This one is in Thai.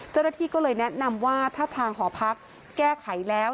เจ้าหน้าที่ก็เลยแนะนำว่าถ้าทางหอพักแก้ไขแล้ว